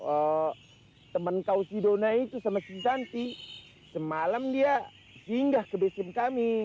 oh temen kau si dona itu sama si santi semalam dia singgah ke busur kami